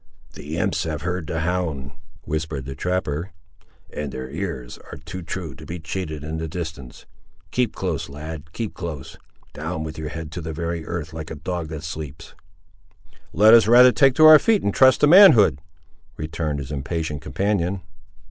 "The imps have heard the hound!" whispered the trapper, "and their ears are too true to be cheated in the distance. Keep close, lad, keep close; down with your head to the very earth, like a dog that sleeps." "Let us rather take to our feet, and trust to manhood," returned his impatient companion.